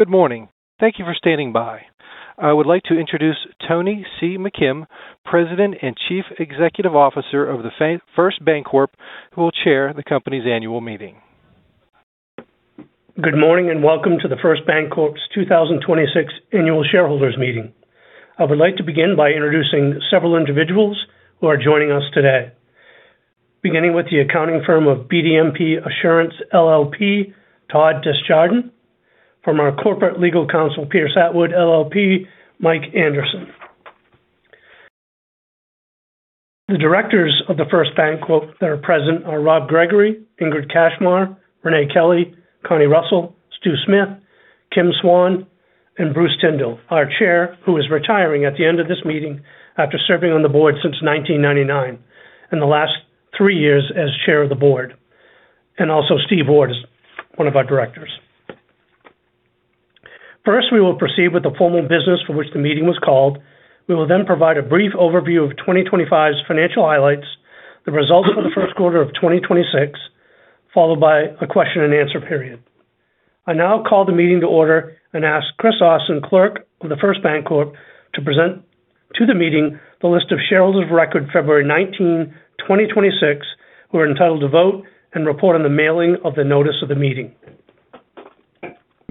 Good morning. Thank you for standing by. I would like to introduce Tony C. McKim, President and Chief Executive Officer of The First Bancorp, who will chair the company's annual meeting. Good morning and welcome to The First Bancorp's 2026 Annual Shareholders Meeting. I would like to begin by introducing several individuals who are joining us today. Beginning with the accounting firm of Berry, Dunn, McNeil & Parker, LLC, Todd Desjardins. From our corporate legal counsel, Pierce Atwood LLP, Michael J. Anderson. The directors of The First Bancorp that are present are Robert B. Gregory, Ingrid H. Kachmar, Renee W. Kelly, Cornelius J. Russell, Stuart G. Smith, Kimberly S. Swan, and Bruce Tindall, our Chair, who is retiring at the end of this meeting after serving on the board since 1999, and the last three years as chair of the board. Also F. Stephen Ward is one of our directors. First, we will proceed with the formal business for which the meeting was called. We will then provide a brief overview of 2025's financial highlights, the results of the first quarter of 2026, followed by a question and answer period. I now call the meeting to order and ask Christopher J. Austin, clerk of The First Bancorp, to present to the meeting the list of shareholders of record February 19, 2026, who are entitled to vote and report on the mailing of the notice of the meeting.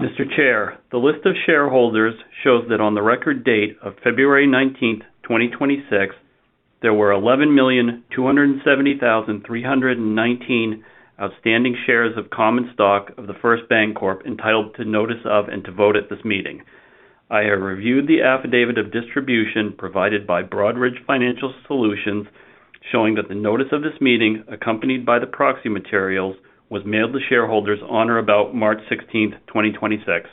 Mr. Chair, the list of shareholders shows that on the record date of February 19th, 2026, there were 11,270,319 outstanding shares of common stock of The First Bancorp entitled to notice of and to vote at this meeting. I have reviewed the affidavit of distribution provided by Broadridge Financial Solutions, showing that the notice of this meeting, accompanied by the proxy materials, was mailed to shareholders on or about March 16th, 2026.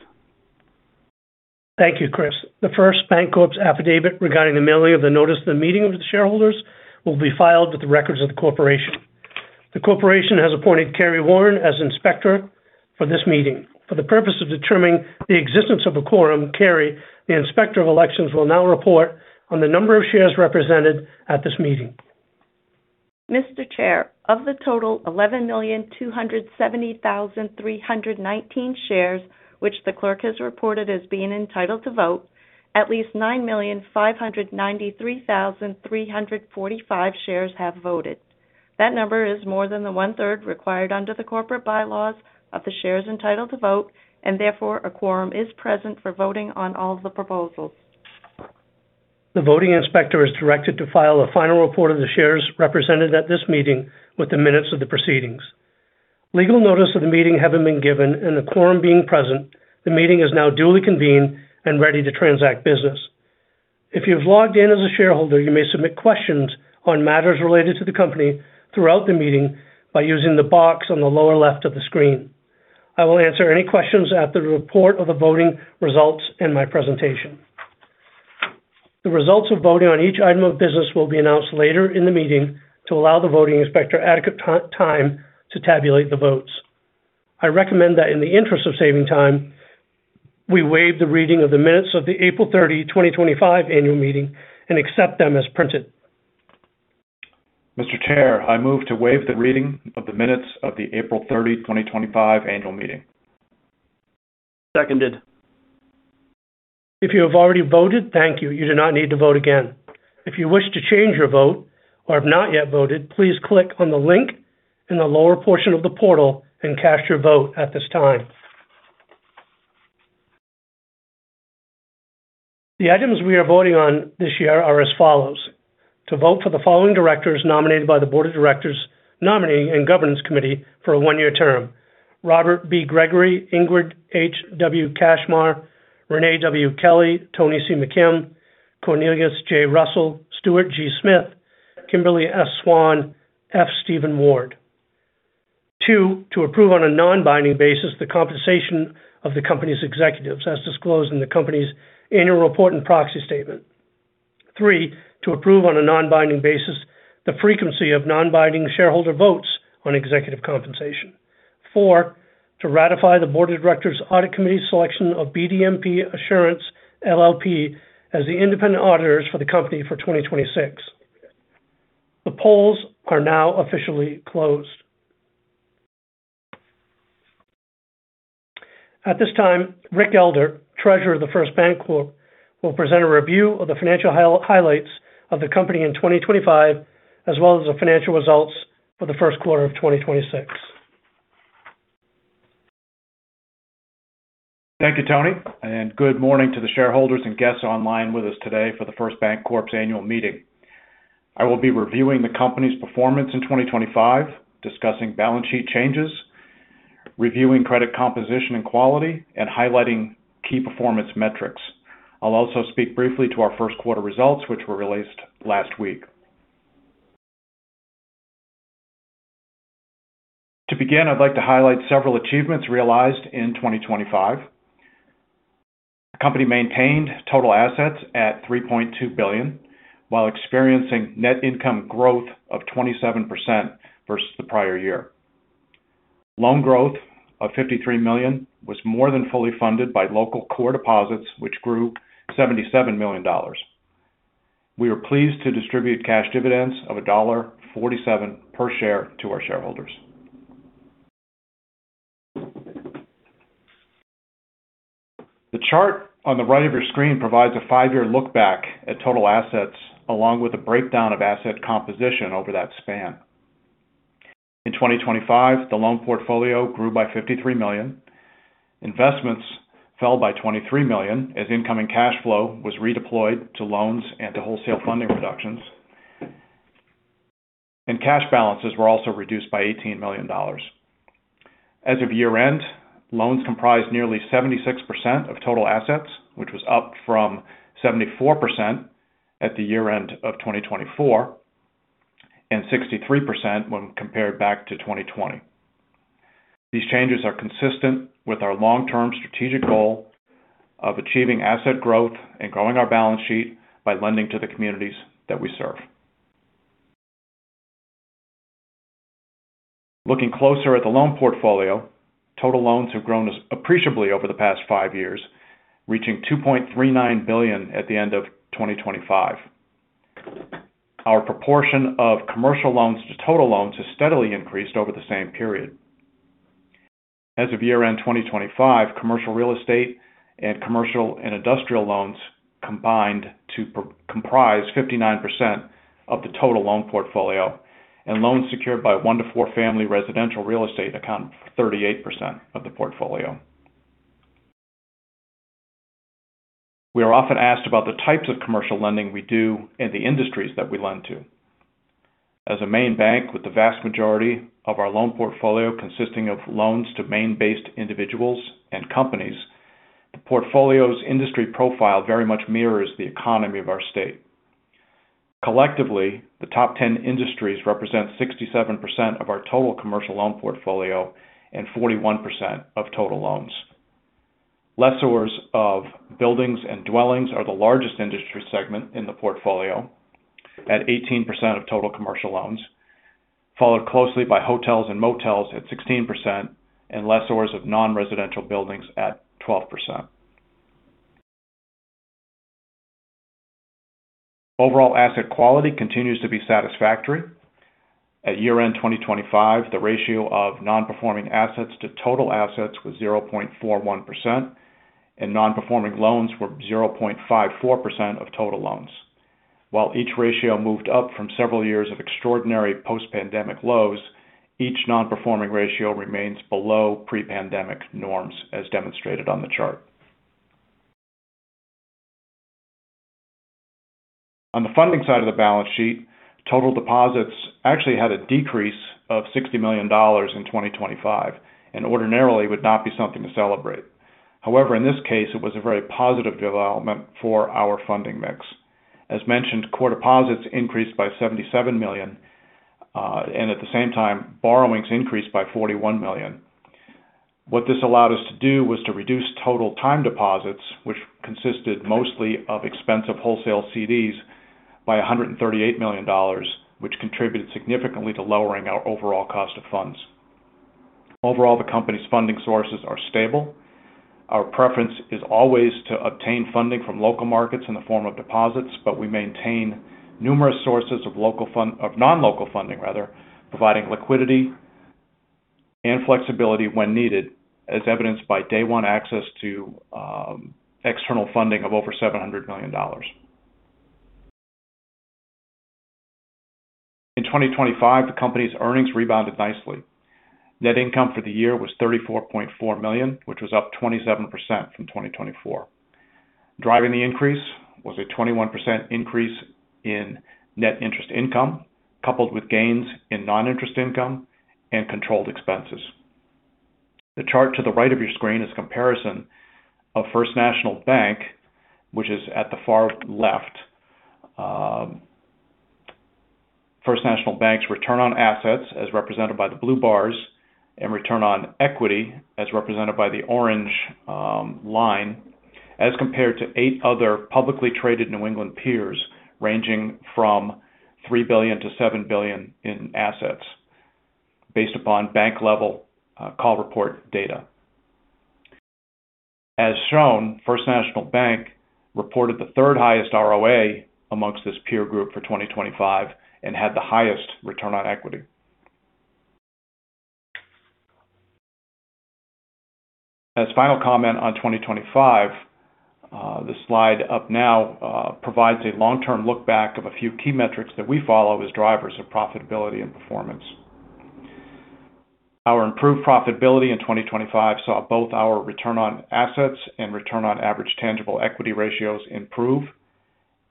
Thank you, Christopher J. Austin. The First Bancorp's affidavit regarding the mailing of the notice of the meeting of the shareholders will be filed with the records of the corporation. The corporation has appointed Carrie Warren as inspector for this meeting. For the purpose of determining the existence of a quorum, Carrie, the Inspector of Elections will now report on the number of shares represented at this meeting. Mr. Chair, of the total 11,270,319 shares, which the clerk has reported as being entitled to vote, at least 9,593,345 shares have voted. That number is more than the one-third required under the corporate bylaws of the shares entitled to vote; therefore, a quorum is present for voting on all of the proposals. The voting inspector is directed to file a final report of the shares represented at this meeting with the minutes of the proceedings. Legal notice of the meeting having been given and the quorum being present, the meeting is now duly convened and ready to transact business. If you've logged in as a shareholder, you may submit questions on matters related to the company throughout the meeting by using the box on the lower left of the screen. I will answer any questions at the report of the voting results in my presentation. The results of voting on each item of business will be announced later in the meeting to allow the voting inspector adequate time to tabulate the votes. I recommend that in the interest of saving time, we waive the reading of the minutes of the April 30, 2025 annual meeting and accept them as printed. Mr. Chair, I move to waive the reading of the minutes of the April 30, 2025 annual meeting. Seconded. If you have already voted, thank you. You do not need to vote again. If you wish to change your vote or have not yet voted, please click on the link in the lower portion of the portal and cast your vote at this time. The items we are voting on this year are as follows. To vote for the following directors nominated by the Board of Directors Nominating and Governance Committee for a one-year term. Robert B. Gregory, Ingrid H. Kachmar, Renee W. Kelly, Tony C. McKim, Cornelius J. Russell, Stuart G. Smith, Kimberly S. Swan, F. Stephen Ward. Two, to approve on a non-binding basis the compensation of the company's executives, as disclosed in the company's annual report and proxy statement. Three, to approve on a non-binding basis the frequency of non-binding shareholder votes on executive compensation. Four, to ratify the Board of Directors Audit Committee's selection of Berry, Dunn, McNeil & Parker, LLC as the independent auditors for the company for 2026. The polls are now officially closed. At this time, Richard Elder, Treasurer of The First Bancorp, will present a review of the financial highlights of the company in 2025 as well as the financial results for the first quarter of 2026. Thank you, Tony, and good morning to the shareholders and guests online with us today for The First Bancorp's annual meeting. I will be reviewing the company's performance in 2025, discussing balance sheet changes, reviewing credit composition and quality, and highlighting key performance metrics. I'll also speak briefly to our first quarter results, which were released last week. To begin, I'd like to highlight several achievements realized in 2025. The company maintained total assets at $3.2 billion, while experiencing net income growth of 27% versus the prior year. Loan growth of $53 million was more than fully funded by local core deposits, which grew $77 million. We are pleased to distribute cash dividends of $1.47 per share to our shareholders. The chart on the right of your screen provides a five-year look back at total assets along with a breakdown of asset composition over that span. In 2025, the loan portfolio grew by $53 million. Investments fell by $23 million as incoming cash flow was redeployed to loans and to wholesale funding reductions. Cash balances were also reduced by $18 million. As of year-end, loans comprised nearly 76% of total assets, which was up from 74% at the year-end of 2024, and 63% when compared back to 2020. These changes are consistent with our long-term strategic goal of achieving asset growth and growing our balance sheet by lending to the communities that we serve. Looking closer at the loan portfolio, total loans have grown appreciably over the past five years, reaching $2.39 billion at the end of 2025. Our proportion of commercial loans to total loans has steadily increased over the same period. As of year-end 2025, commercial real estate and commercial and industrial loans combined to comprise 59% of the total loan portfolio. Loans secured by one to four family residential real estate account for 38% of the portfolio. We are often asked about the types of commercial lending we do and the industries that we lend to. As a Maine bank with the vast majority of our loan portfolio consisting of loans to Maine-based individuals and companies, the portfolio's industry profile very much mirrors the economy of our state. Collectively, the top 10 industries represent 67% of our total commercial loan portfolio and 41% of total loans. Lessors of buildings and dwellings are the largest industry segment in the portfolio at 18% of total commercial loans, followed closely by hotels and motels at 16% and lessors of non-residential buildings at 12%. Overall asset quality continues to be satisfactory. At year-end 2025, the ratio of non-performing assets to total assets was 0.41%, and non-performing loans were 0.54% of total loans. While each ratio moved up from several years of extraordinary post-pandemic lows, each non-performing ratio remains below pre-pandemic norms as demonstrated on the chart. On the funding side of the balance sheet, total deposits actually had a decrease of $60 million in 2025 and ordinarily would not be something to celebrate. However, in this case, it was a very positive development for our funding mix. As mentioned, core deposits increased by $77 million. At the same time, borrowings increased by $41 million. What this allowed us to do was to reduce total time deposits, which consisted mostly of expensive wholesale CDs by $138 million, which contributed significantly to lowering our overall cost of funds. Overall, the company's funding sources are stable. Our preference is always to obtain funding from local markets in the form of deposits, but we maintain numerous sources of non-local funding rather, providing liquidity and flexibility when needed, as evidenced by day one access to external funding of over $700 million. In 2025, the company's earnings rebounded nicely. Net income for the year was $34.4 million, which was up 27% from 2024. Driving the increase was a 21% increase in net interest income, coupled with gains in non-interest income and controlled expenses. The chart to the right of your screen is comparison of First National Bank, which is at the far left. First National Bank's return on assets as represented by the blue bars, and return on equity as represented by the orange line as compared to eight other publicly traded New England peers ranging from $3 billion–$7 billion in assets based upon bank-level call report data. As shown, First National Bank reported the third highest ROA amongst this peer group for 2025 and had the highest return on equity. As final comment on 2025, the slide up now provides a long-term look back of a few key metrics that we follow as drivers of profitability and performance. Our improved profitability in 2025 saw both our return on assets and return on average tangible equity ratios improve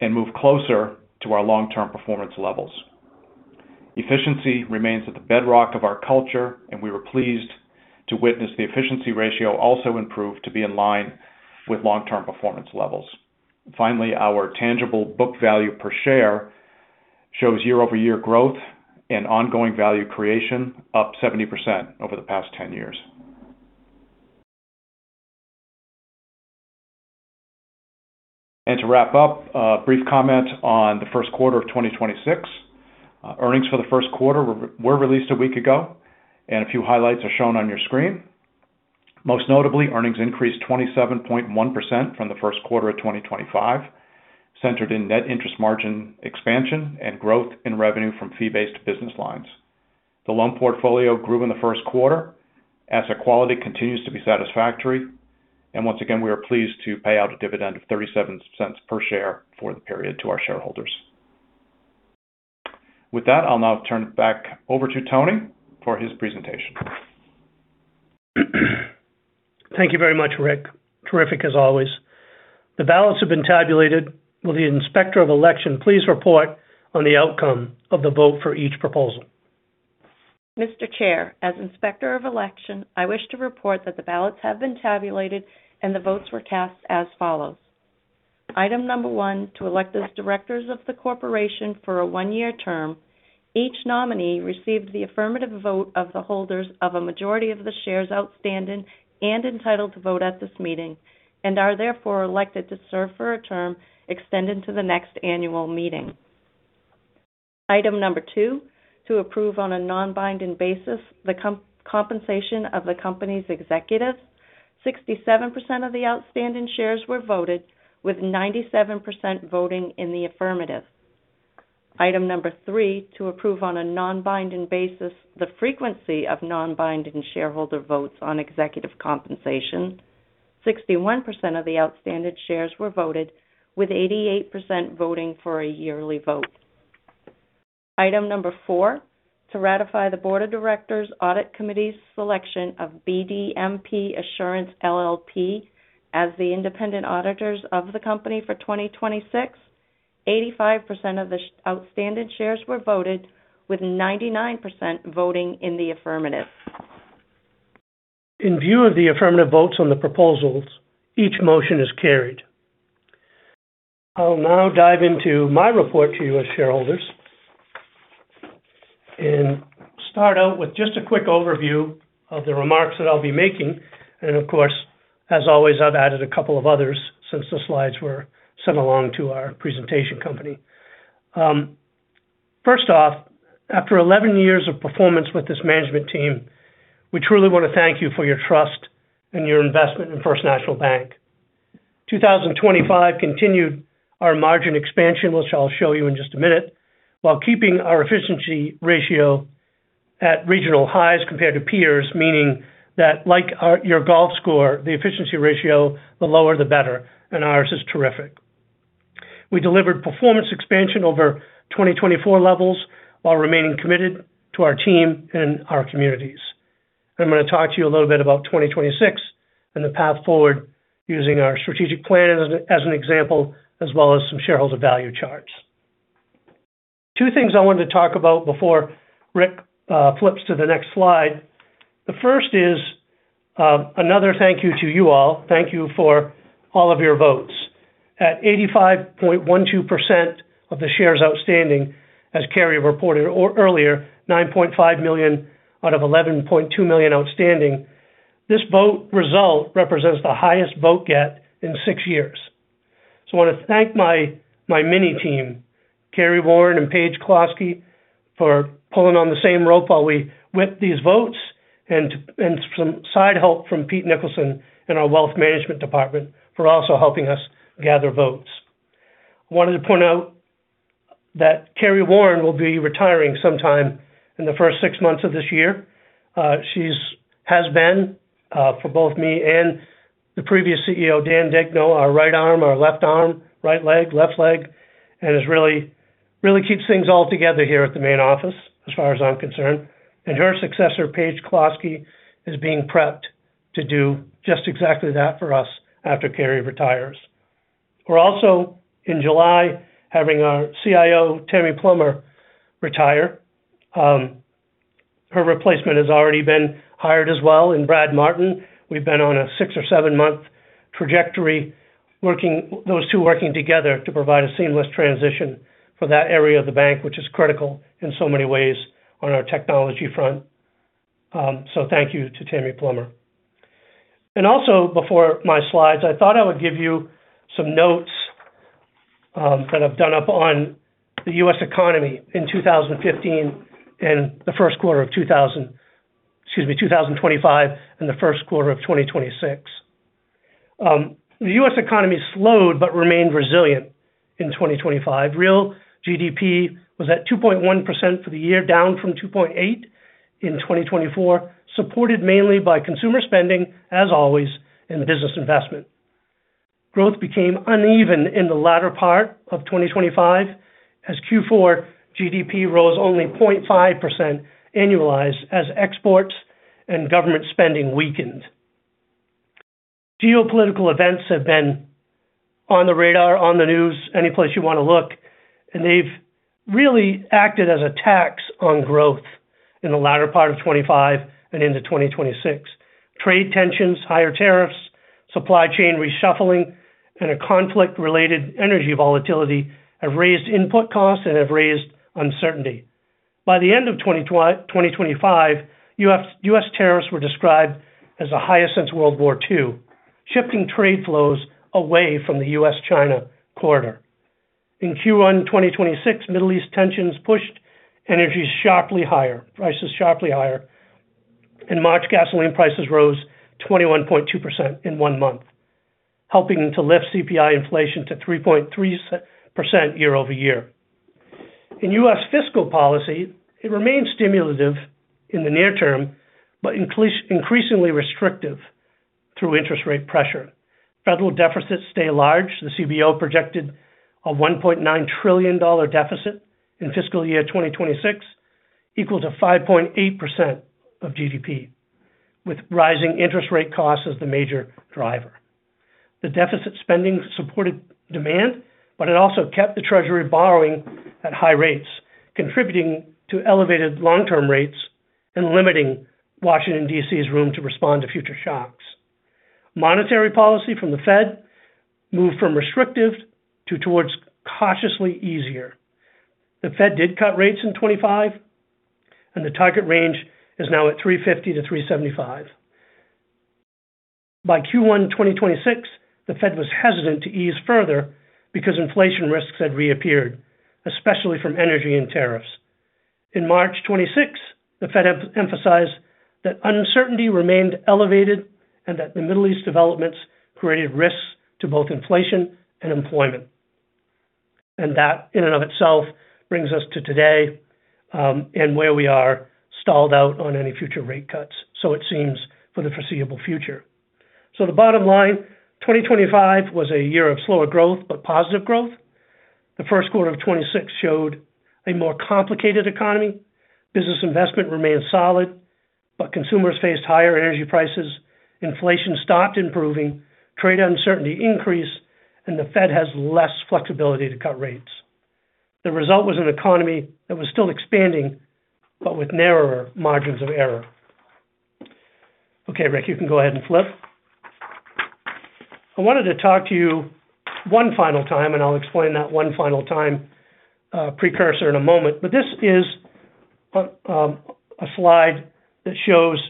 and move closer to our long-term performance levels. Efficiency remains at the bedrock of our culture, and we were pleased to witness the efficiency ratio also improve to be in line with long-term performance levels. Finally, our tangible book value per share shows year-over-year growth and ongoing value creation up 70% over the past 10 years. To wrap up, a brief comment on the first quarter of 2026. Earnings for the first quarter were released a week ago. A few highlights are shown on your screen. Most notably, earnings increased 27.1% from the first quarter of 2025, centered in net interest margin expansion and growth in revenue from fee-based business lines. The loan portfolio grew in the first quarter. Asset quality continues to be satisfactory. We are pleased to pay out a dividend of $0.37 per share for the period to our shareholders. With that, I'll now turn it back over to Tony for his presentation. Thank you very much, Richard Elder. Terrific as always. The ballots have been tabulated. Will the Inspector of Election please report on the outcome of the vote for each proposal. Mr. Chair, as Inspector of Election, I wish to report that the ballots have been tabulated and the votes were cast as follows. Item number one, to elect as directors of the corporation for a one-year term. Each nominee received the affirmative vote of the holders of a majority of the shares outstanding and entitled to vote at this meeting and are therefore elected to serve for a term extended to the next annual meeting. Item number two, to approve on a non-binding basis the compensation of the company's executives. 67% of the outstanding shares were voted, with 97% voting in the affirmative. Item number three, to approve on a non-binding basis the frequency of non-binding shareholder votes on executive compensation. 61% of the outstanding shares were voted, with 88% voting for a yearly vote. Item number four, to ratify the Board of Directors Audit Committee's selection of Berry, Dunn, McNeil & Parker, LLC as the independent auditors of the company for 2026. 85% of the outstanding shares were voted, with 99% voting in the affirmative. In view of the affirmative votes on the proposals, each motion is carried. I'll now dive into my report to you as shareholders and start out with just a quick overview of the remarks that I'll be making. As always, I've added a couple of others since the slides were sent along to our presentation company. After 11 years of performance with this management team, we truly want to thank you for your trust and your investment in First National Bank. 2020 continued our margin expansion, which I'll show you in just a minute, while keeping our efficiency ratio at regional highs compared to peers. Meaning that like your golf score, the efficiency ratio, the lower the better, and ours is terrific. We delivered performance expansion over 2024 levels while remaining committed to our team and our communities. I'm going to talk to you a little bit about 2026 and the path forward using our strategic plan as an example, as well as some shareholder value charts. Two things I wanted to talk about before Richard Elder flips to the next slide. The first is another thank you to you all. Thank you for all of your votes. At 85.12% of the shares outstanding, as Carrie Warren reported earlier, 9.5 million out of 11.2 million outstanding. This vote result represents the highest vote get in six years. I want to thank my mini team, Carrie Warren and Paige Klosky, for pulling on the same rope while we went these votes and some side help from Peter Nicholson in our Wealth Management department for also helping us gather votes. Wanted to point out that Carrie Warren will be retiring sometime in the first six months of this year. She's been for both me and the previous CEO, Daniel R. Daigneault, our right arm, our left arm, right leg, left leg, and has really keeps things all together here at the main office as far as I'm concerned. Her successor, Paige Klosky, is being prepped to do just exactly that for us after Carrie retires. We're also in July, having our CIO, Tammy Plummer, retire. Her replacement has already been hired as well in Brad Martin. We've been on a six or seven-month trajectory those two working together to provide a seamless transition for that area of the bank, which is critical in so many ways on our technology front. Thank you to Tammy Plummer. Also, before my slides, I thought I would give you some notes that I've done up on the U.S. economy in 2015 and the first quarter of 2025 and the first quarter of 2026. The U.S. economy slowed but remained resilient in 2025. Real GDP was at 2.1% for the year, down from 2.8% in 2024, supported mainly by consumer spending, as always, and business investment. Growth became uneven in the latter part of 2025, as Q4 GDP rose only 0.5% annualized as exports and government spending weakened. Geopolitical events have been on the radar, on the news, any place you want to look, and they've really acted as a tax on growth in the latter part of 2025 and into 2026. Trade tensions, higher tariffs, supply chain reshuffling, and a conflict-related energy volatility have raised input costs and have raised uncertainty. By the end of 2025, U.S. tariffs were described as the highest since World War II, shifting trade flows away from the U.S.-China corridor. In Q1 2026, Middle East tensions pushed energy sharply higher. In March, gasoline prices rose 21.2% in one month, helping to lift CPI inflation to 3.3% year-over-year. In U.S. fiscal policy, it remains stimulative in the near term, but increasingly restrictive through interest rate pressure. Federal deficits stay large. The CBO projected a $1.9 trillion deficit in fiscal year 2026, equal to 5.8% of GDP, with rising interest rate costs as the major driver. The deficit spending supported demand. It also kept the treasury borrowing at high rates, contributing to elevated long-term rates and limiting Washington D.C.'s room to respond to future shocks. Monetary policy from the Federal Reserve moved from restrictive towards cautiously easier. The Federal Reserve did cut rates in 2025, and the target range is now at 3.50%-3.75%. By Q1 2026, the Federal Reserve was hesitant to ease further because inflation risks had reappeared, especially from energy and tariffs. In March 2026, the Federal Reserve emphasized that uncertainty remained elevated and that the Middle East developments created risks to both inflation and employment. That in and of itself brings us to today, and where we are stalled out on any future rate cuts, so it seems for the foreseeable future. The bottom line: 2025 was a year of slower growth but positive growth. The first quarter of 2026 showed a more complicated economy. Business investment remained solid, but consumers faced higher energy prices. Inflation stopped improving, trade uncertainty increased, and the Federal Reserve has less flexibility to cut rates. The result was an economy that was still expanding but with narrower margins of error. Okay, Richard Elder, you can go ahead and flip. I wanted to talk to you one final time, and I'll explain that one final time precursor in a moment. This is a slide that shows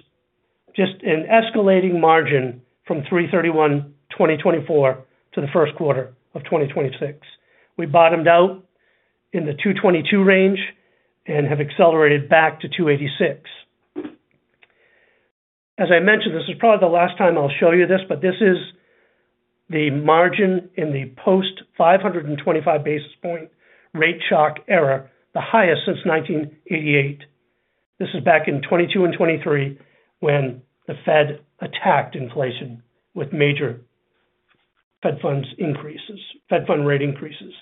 just an escalating margin from 3.31%, 2024, to the Q1 of 2026. We bottomed out in the 2.22% range and have accelerated back to 2.86%. As I mentioned, this is probably the last time I'll show you this, but this is the margin in the post 525 basis point rate shock era, the highest since 1988. This is back in 2022 and 2023 when the Federal Reserve attacked inflation with major Federal Reserve fund rate increases.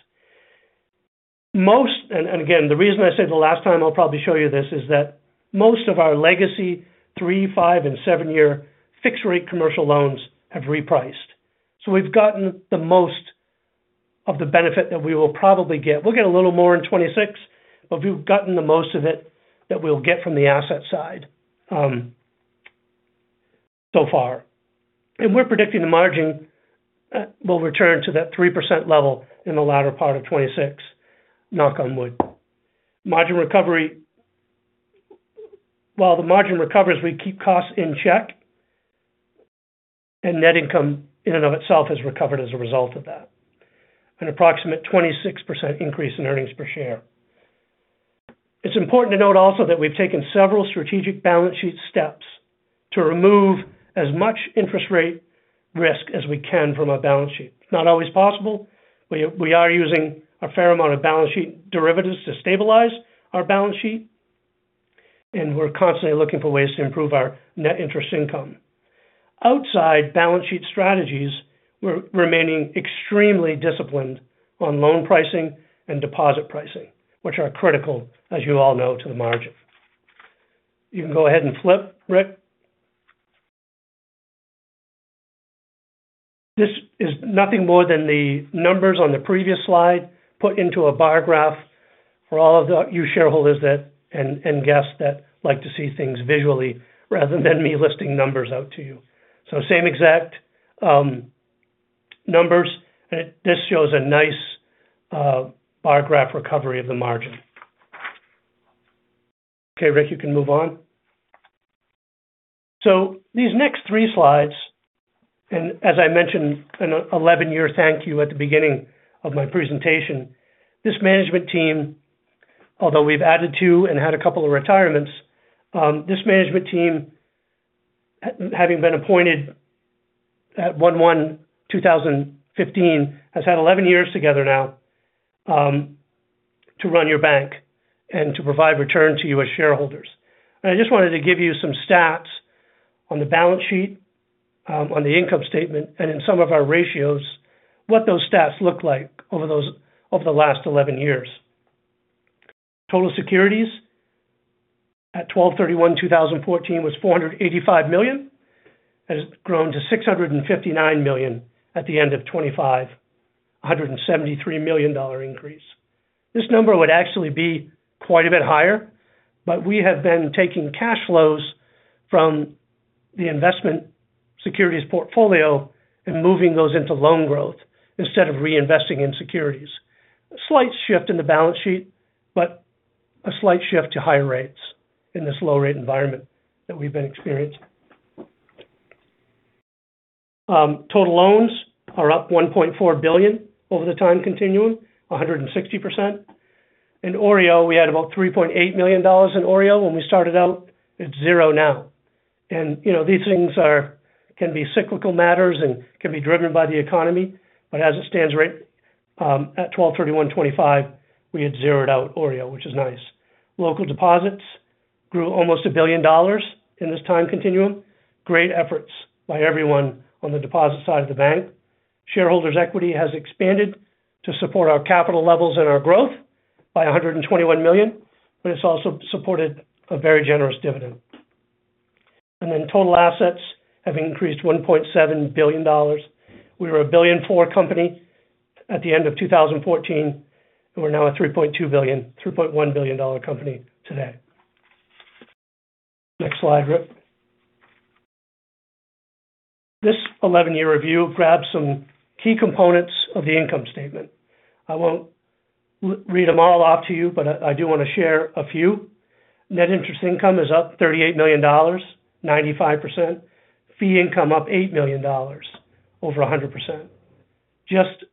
The reason I say the last time I'll probably show you this is that most of our legacy three-year, five-year, and seven-year fixed rate commercial loans have repriced. We've gotten the most of the benefit that we will probably get. We'll get a little more in 2026, but we've gotten the most of it that we'll get from the asset side so far. We're predicting the margin will return to that 3% level in the latter part of 2026, knock on wood. Margin recovery. While the margin recovers, we keep costs in check, and net income in and of itself has recovered as a result of that. An approximate 26% increase in earnings per share. It's important to note also that we've taken several strategic balance sheet steps to remove as much interest rate risk as we can from our balance sheet. It's not always possible. We are using a fair amount of balance sheet derivatives to stabilize our balance sheet, and we're constantly looking for ways to improve our net interest income. Outside balance sheet strategies, we're remaining extremely disciplined on loan pricing and deposit pricing, which are critical, as you all know, to the margin. You can go ahead and flip, Richard Elder. This is nothing more than the numbers on the previous slide put into a bar graph for all you shareholders and guests that like to see things visually rather than me listing numbers out to you. Same exact numbers. This shows a nice bar graph recovery of the margin. Okay, Richard Elder, you can move on. These next three slides, and as I mentioned an 11-year thank you at the beginning of my presentation, this management team, although we've added to and had a couple of retirements, this management team, having been appointed at 1/1/2015, has had 11 years together now to run your bank and to provide return to you as shareholders. I just wanted to give you some stats on the balance sheet, on the income statement, and in some of our ratios, what those stats look like over the last 11 years. Total securities at 12/31/2014 was $485 million. It has grown to $659 million at the end of 2025. A $173 million increase. This number would actually be quite a bit higher, but we have been taking cash flows from the investment securities portfolio and moving those into loan growth instead of reinvesting in securities. A slight shift in the balance sheet, but a slight shift to higher rates in this low-rate environment that we've been experiencing. Total loans are up $1.4 billion over the time continuum, 160%. In OREO, we had about $3.8 million in OREO when we started out. It's $0 now. These things can be cyclical matters and can be driven by the economy. As it stands right, at 12/31/2025, we had zeroed out OREO, which is nice. Local deposits grew almost $1 billion in this time continuum. Great efforts by everyone on the deposit side of the bank. Shareholders' equity has expanded to support our capital levels and our growth by $121 million, but it's also supported a very generous dividend. Total assets have increased $1.7 billion. We were a $1.4 billion company at the end of 2014, and we're now a $3.1 billion company today. Next slide, Richard Elder. This 11-year review grabs some key components of the income statement. I won't read them all off to you. I do want to share a few. Net interest income is up $38 million, 95%. Fee income up $8 million, over 100%. Just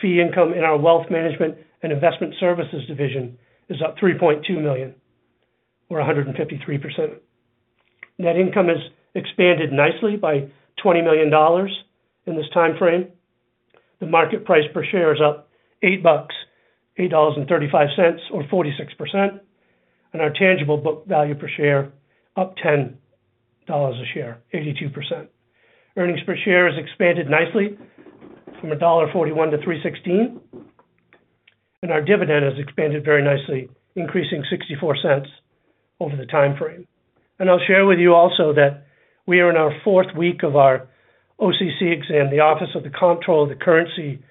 fee income in our wealth management and investment services division is up $3.2 million or 153%. Net income has expanded nicely by $20 million in this time frame. The market price per share is up $8.35, or 46%. Our tangible book value per share up $10 a share, 82%. Earnings per share has expanded nicely from $1.41 to $3.16. Our dividend has expanded very nicely, increasing $0.64 over the time frame. I'll share with you also that we are in our fourth week of our OCC exam. The Office of the Comptroller of the Currency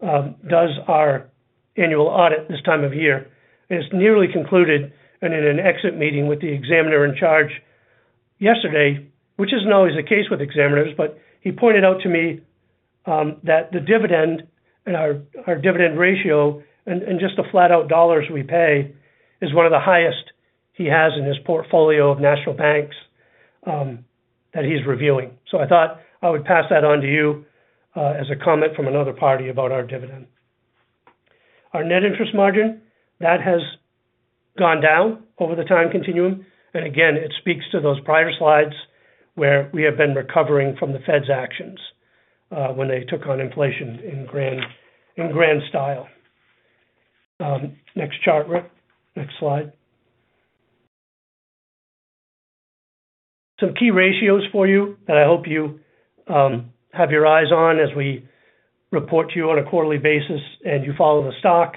does our annual audit this time of year, and it's nearly concluded. In an exit meeting with the examiner in charge yesterday, which isn't always the case with examiners, he pointed out to me that the dividend and our dividend ratio and just the flat-out dollars we pay is one of the highest he has in his portfolio of national banks that he's reviewing. I thought I would pass that on to you as a comment from another party about our dividend. Our net interest margin, that has gone down over the time continuum. It speaks to those prior slides where we have been recovering from the Federal Reserve's actions when they took on inflation in grand style. Next chart, Richard Elder. Next slide. Some key ratios for you that I hope you have your eyes on as we report to you on a quarterly basis and you follow the stock.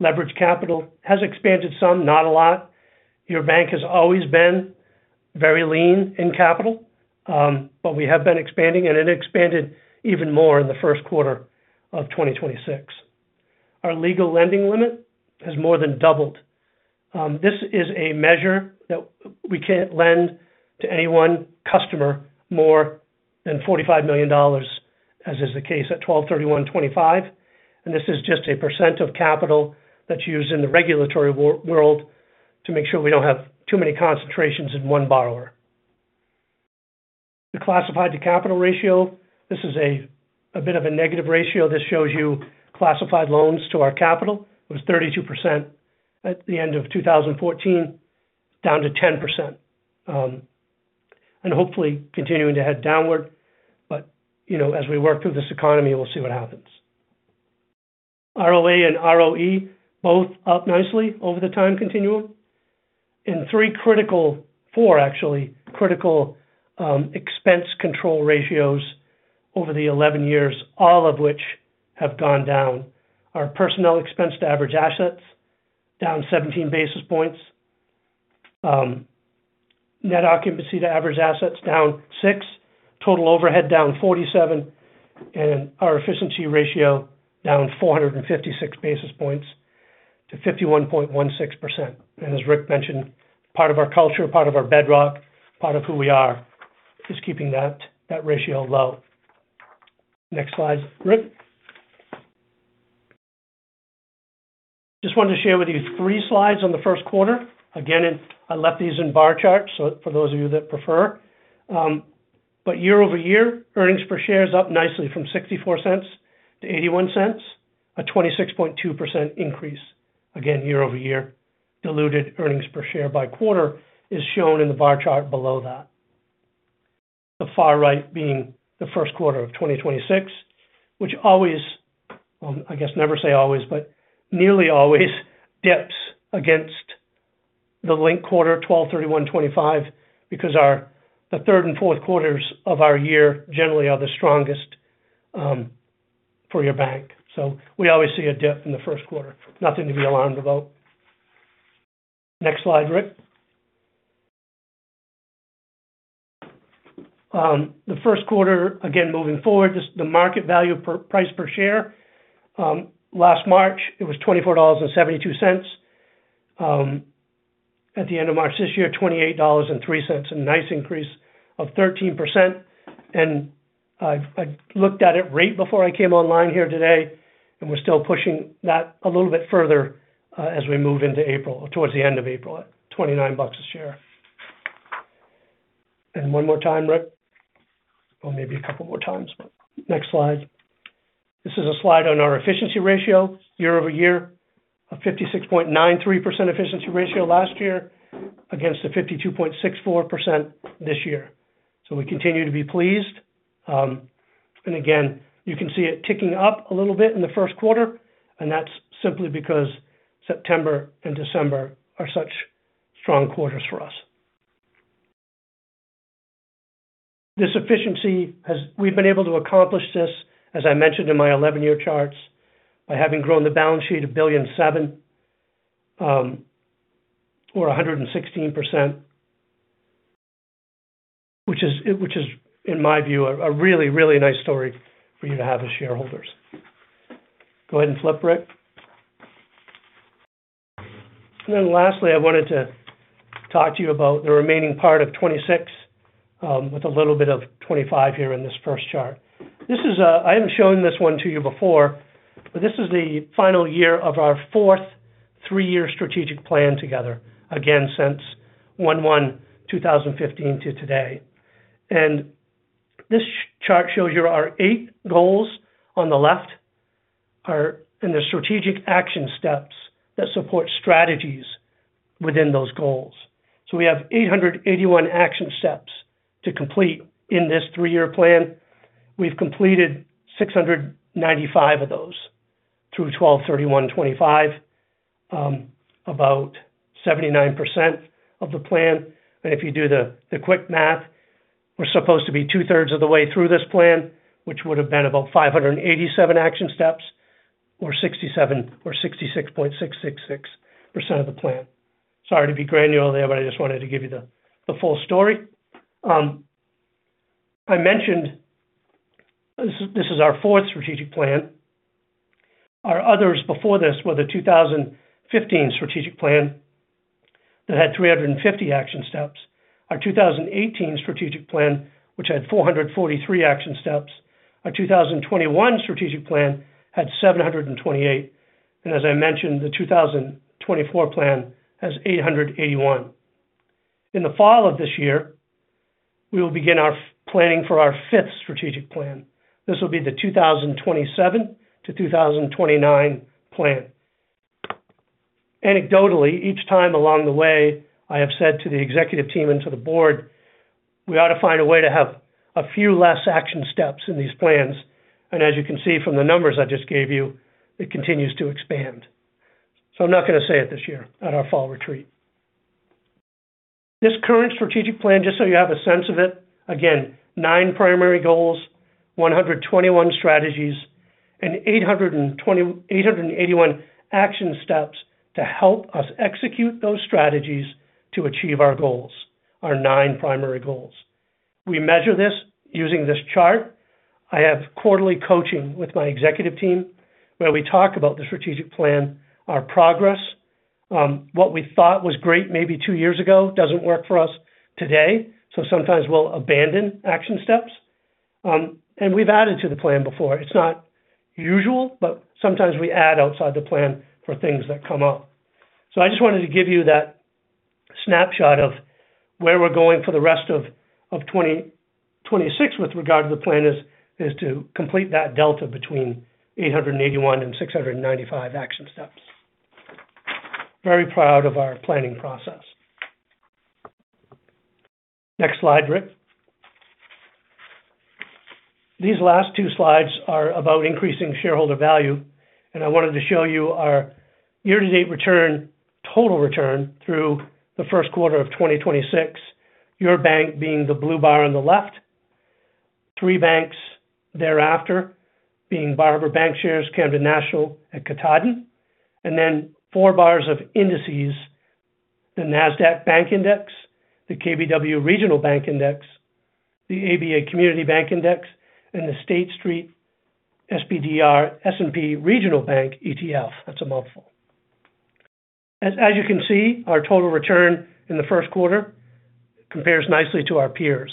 Leverage capital has expanded some, not a lot. Your bank has always been very lean in capital, but we have been expanding, and it expanded even more in the first quarter of 2026. Our legal lending limit has more than doubled. This is a measure that we can't lend to any one customer more than $45 million, as is the case at 12/31/2025. This is just a percent of capital that's used in the regulatory world to make sure we don't have too many concentrations in one borrower. The classified to capital ratio, this is a bit of a negative ratio. This shows you classified loans to our capital. It was 32% at the end of 2014, down to 10%, and hopefully continuing to head downward. As we work through this economy, we'll see what happens. ROA and ROE both up nicely over the time continuum. Three critical, four actually, critical expense control ratios over the 11 years, all of which have gone down. Our personnel expense to average assets down 17 basis points. Net occupancy to average assets down six basis points. Total overhead down 47 basis points. Our efficiency ratio down 456 basis points to 51.16%. As Richard Elder mentioned, part of our culture, part of our bedrock, part of who we are is keeping that ratio low. Next slide, Richard Elder. Just wanted to share with you three slides on the first quarter. I left these in bar charts, for those of you that prefer. Year-over-year, earnings per share is up nicely from $0.64 to $0.81, a 26.2% increase again year-over-year. Diluted earnings per share by quarter is shown in the bar chart below that. The far right being the first quarter of 2026, which always, I guess never say always, but nearly always dips against the link quarter 12/31/2025 because the third and fourth quarters of our year generally are the strongest for your bank. We always see a dip in the first quarter. Nothing to be alarmed about. Next slide, Richard Elder. The first quarter, again, moving forward, this is the market value price per share. Last March, it was $24.72. At the end of March this year, $28.03. A nice increase of 13%. I looked at it right before I came online here today, we're still pushing that a little bit further, as we move into April, towards the end of April, at $29 a share. One more time, Richard Elder. Maybe a couple more times. Next slide. This is a slide on our efficiency ratio year-over-year of 56.93% efficiency ratio last year against the 52.64% this year. We continue to be pleased. You can see it ticking up a little bit in the first quarter, and that's simply because September and December are such strong quarters for us. This efficiency we've been able to accomplish this, as I mentioned in my 11-year charts, by having grown the balance sheet $1.7 billion, or 116%. Which is, in my view, a really, really nice story for you to have as shareholders. Go ahead and flip, Richard Elder. Lastly, I wanted to talk to you about the remaining part of 2026, with a little bit of 2025 here in this first chart. This is, I haven't shown this one to you before, but this is the final year of our 4th three-year strategic plan together. Since 1/1/2015 to today. This chart shows here our 8 goals on the left are in the strategic action steps that support strategies within those goals. We have 881 action steps to complete in this three-year plan. We've completed 695 of those through 12/31/2025, about 79% of the plan. If you do the quick math, we're supposed to be 2/3 of the way through this plan, which would have been about 587 action steps, or 67% or 66.666% of the plan. Sorry to be granular there, I just wanted to give you the full story. I mentioned this is our fourth strategic plan. Our others before this were the 2015 strategic plan that had 350 action steps. Our 2018 strategic plan, which had 443 action steps. Our 2021 strategic plan had 728 action steps. As I mentioned, the 2024 plan has 881 action steps. In the fall of this year, we will begin our planning for our fifth strategic plan. This will be the 2027-2029 plan. Anecdotally, each time along the way, I have said to the executive team and to the board, we ought to find a way to have a few less action steps in these plans. As you can see from the numbers I just gave you, it continues to expand. I'm not going to say it this year at our fall retreat. This current strategic plan, just so you have a sense of it, again, nine primary goals, 121 strategies, and 881 action steps to help us execute those strategies to achieve our goals, our nine primary goals. We measure this using this chart. I have quarterly coaching with my executive team where we talk about the strategic plan, our progress. What we thought was great maybe two years ago doesn't work for us today. Sometimes we'll abandon action steps. We've added to the plan before. It's not usual, but sometimes we add outside the plan for things that come up. I just wanted to give you that snapshot of where we're going for the rest of 2026 with regard to the plan is to complete that delta between 881 action steps-695 action steps. Very proud of our planning process. Next slide, Richard Elder. These last two slides are about increasing shareholder value. I wanted to show you our year-to-date return, total return through the Q1 of 2026. Your bank being the blue bar on the left. Three banks thereafter being Bar Harbor Bankshares, Camden National Bank, and Katahdin Trust Company. Four bars of indices, the Nasdaq Bank Index, the KBW Nasdaq Regional Banking Index, the ABA NASDAQ Community Bank Index, and the State Street SPDR S&P Regional Banking ETF. That's a mouthful. As you can see, our total return in the first quarter compares nicely to our peers.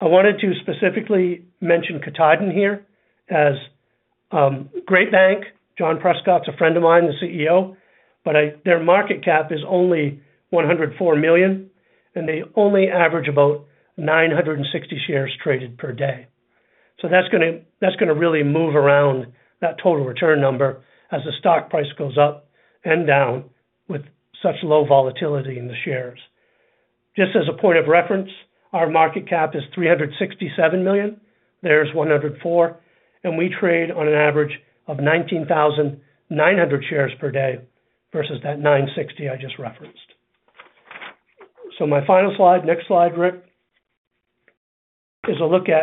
I wanted to specifically mention Katahdin Trust Company here as great bank. Jon Prescott's a friend of mine, the CEO. Their market cap is only $104 million, and they only average about 960 shares traded per day. That is going to really move around that total return number as the stock price goes up and down with such low volatility in the shares. Just as a point of reference, our market cap is $367 million. Theirs $104. We trade on an average of 19,900 shares per day versus that 960 shares I just referenced. My final slide, next slide, Richard Elder, is a look at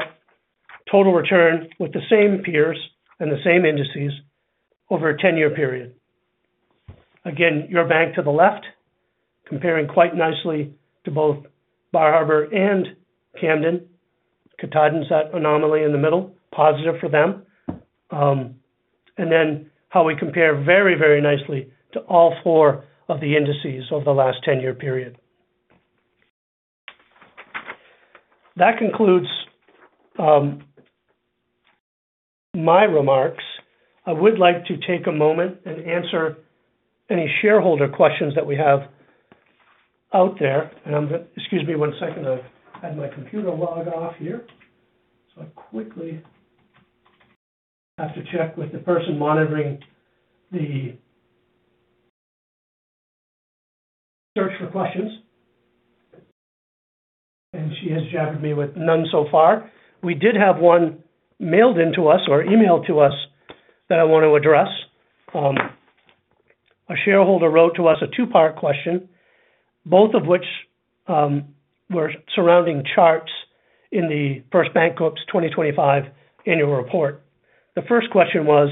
total return with the same peers and the same indices over a 10-year period. Your bank to the left comparing quite nicely to both Bar Harbor Bankshares and Camden National Bank. Katahdin Trust Company that anomaly in the middle, positive for them. How we compare very, very nicely to all four of the indices over the last 10-year period. That concludes my remarks. I would like to take a moment and answer any shareholder questions that we have out there. Excuse me one second. I've had my computer logged off here. I quickly have to check with the person monitoring the search for questions. She has chatted me with none so far. We did have one mailed into us or emailed to us that I want to address. A shareholder wrote to us a two-part question, both of which were surrounding charts in The First Bancorp's 2025 annual report. The first question was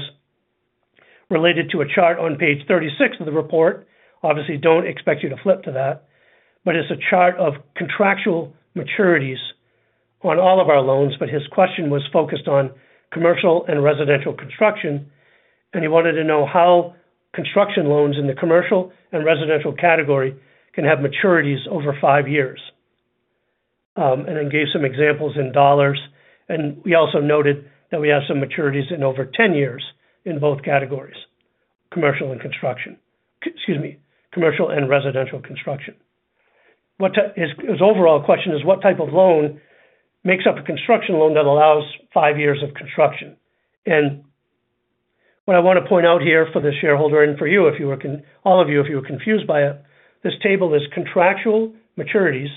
related to a chart on page 36 of the report. Obviously, don't expect you to flip to that, but it's a chart of contractual maturities on all of our loans. His question was focused on commercial and residential construction, and he wanted to know how construction loans in the commercial and residential category can have maturities over five years. Gave some examples in dollars, and we also noted that we have some maturities in over 10 years in both categories, commercial and construction. Excuse me, commercial and residential construction. His overall question is what type of loan makes up a construction loan that allows five years of construction? What I want to point out here for the shareholder and for you, if you were all of you, if you were confused by it, this table is contractual maturities.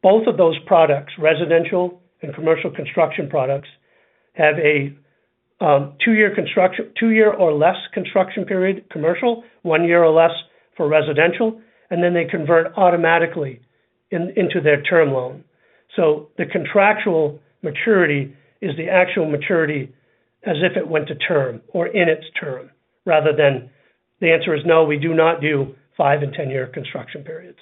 Both of those products, residential and commercial construction products, have a two-year or less construction period, commercial, one year or less for residential, and then they convert automatically into their term loan. The contractual maturity is the actual maturity as if it went to term or in its term; rather, the answer is no, we do not do five-year and 10-year construction periods.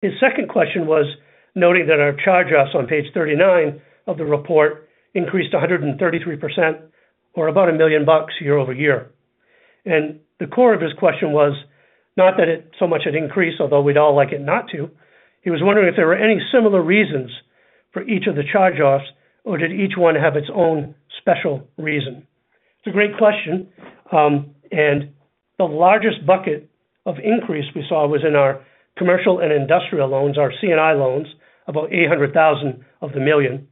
His second question was noting that our charge-offs on page 39 of the report increased 133% or about $1 million year-over-year. The core of his question was not that it so much had increased, although we'd all like it not to. He was wondering if there were any similar reasons for each of the charge-offs or did each one have its own special reason. It's a great question. The largest bucket of increase we saw was in our commercial and industrial loans, our C&I loans, about $0.8 million of the $1 million.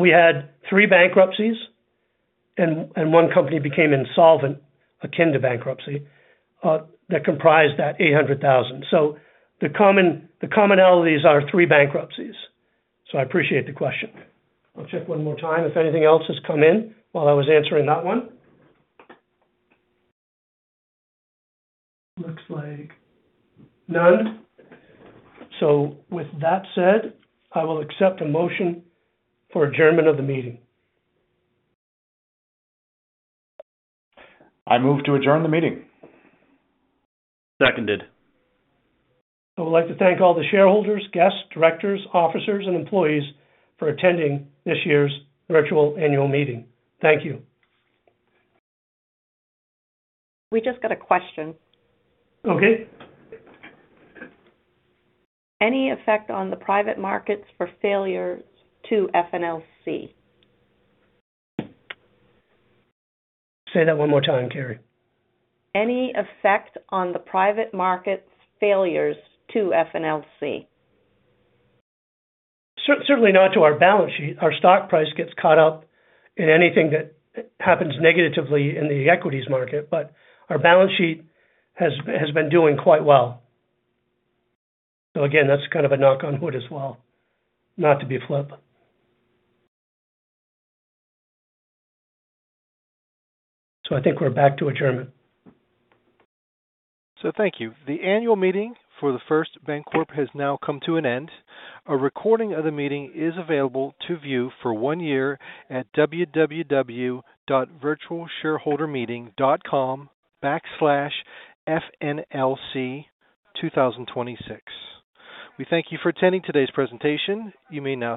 We had 3 bankruptcies and one company became insolvent, akin to bankruptcy, that comprised that $0.8 million. The commonalities are three bankruptcies. I appreciate the question. I'll check one more time if anything else has come in while I was answering that one. Looks like none. With that said, I will accept a motion for adjournment of the meeting. I move to adjourn the meeting. Seconded. I would like to thank all the shareholders, guests, directors, officers and employees for attending this year's virtual annual meeting. Thank you. We just got a question. Okay. Any effect on the private markets for failures to FNLC? Say that one more time, Carrie. Any effect on the private markets failures to FNLC? Certainly not to our balance sheet. Our stock price gets caught up in anything that happens negatively in the equities market, but our balance sheet has been doing quite well. That's kind of a knock on wood as well, not to be a flip. I think we're back to adjournment. Thank you. The annual meeting for The First Bancorp has now come to an end. A recording of the meeting is available to view for one year at www.virtualshareholdermeeting.com/fnlc2026. We thank you for attending today's presentation. You may now disconnect.